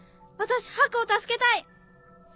私ハクを助けたい。